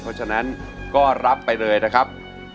เพราะฉะนั้นก็รับไปเลยนะครับ